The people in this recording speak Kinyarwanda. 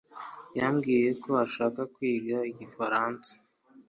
yambwiye ko ashaka kwiga igifaransa